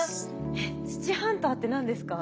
えっ土ハンターって何ですか？